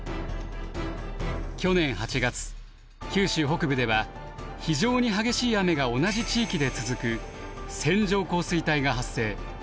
去年８月九州北部では非常に激しい雨が同じ地域で続く「線状降水帯」が発生。